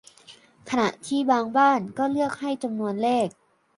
ขณะที่บางบ้านก็เลือกให้จำนวนเลข